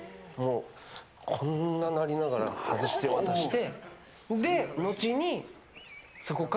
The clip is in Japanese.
こんななりながら外して渡して。